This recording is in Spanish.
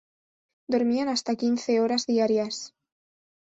Dormían hasta quince horas diarias.